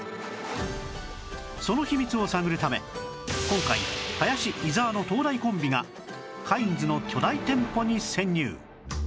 その秘密を探るため今回林伊沢の東大コンビがカインズの巨大店舗に潜入